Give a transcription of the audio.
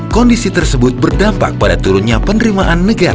kondisi tersebut berdampak pada turunnya penerimaan negara